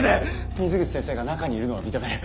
水口先生が中にいるのは認める。